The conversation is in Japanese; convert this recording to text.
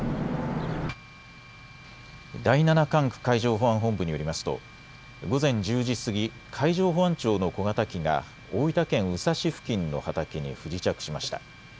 第７管区海上保安本部によりますと午前１０時過ぎ海上保安庁の小型機が大分県宇佐市付近の畑に不時着しました。